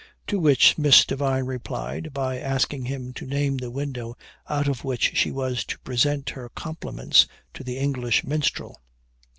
To which Miss Devine replied, by asking him to name the window out of which she was to present her compliments to the English minstrel.